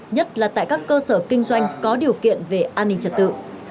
nhất là tại các cơ sở kinh doanh có điều kiện về an ninh trật tự